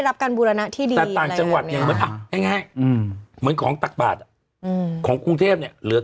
รับการบุรณาที่ดีแง่มื้มคือตักเปอร์ธออืมของคุณเทพเนี่ย